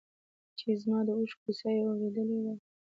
چې زما د اوښکو کیسه یې اورېدی وای.